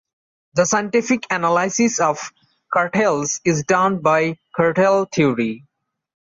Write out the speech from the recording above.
The scientific analysis of cartels is done by cartel theory.